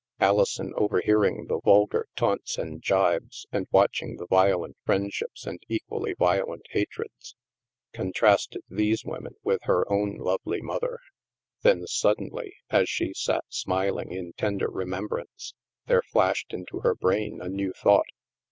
Alison, overhearing the vulgar taunts and gibes, and watching the violent friend ships and equally violent hatreds, contrasted these women with her own lovely mother. Then sud denly, as she sat smiling in tender remembrance, there flashed into her brain a new thought.